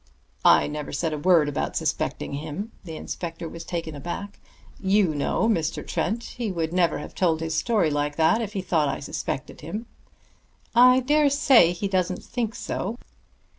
"I never said a word about suspecting him." The inspector was taken aback. "You know, Mr. Trent, he would never have told his story like that if he thought I suspected him." "I dare say he doesn't think so.